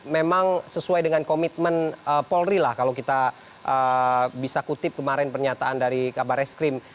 memang sesuai dengan komitmen polri lah kalau kita bisa kutip kemarin pernyataan dari kabar eskrim